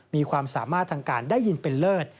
มีความสามารถทางการได้ยินเป็นเลิศ